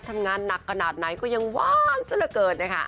ทำงานหนักขนาดไหนก็ยังหวานซะละเกินนะคะ